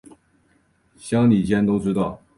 乡里间都知道